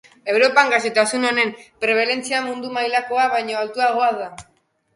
Europan gaixotasun honen prebalentzia mundu mailakoa baino altuagoa da.